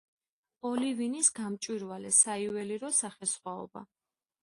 ოლივინის გამჭვირვალე საიუველირო სახესხვაობა.